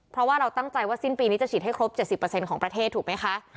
เพราะว่าเราตั้งใจว่าสิ้นปีนี้จะฉีดให้ครบ๗๐ของประเทศถูกไหมคะ